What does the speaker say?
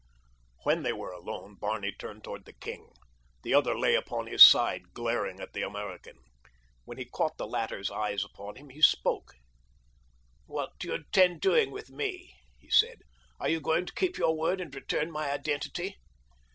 When they were alone Barney turned toward the king. The other lay upon his side glaring at the American. When he caught the latter's eyes upon him he spoke. "What do you intend doing with me?" he said. "Are you going to keep your word and return my identity?"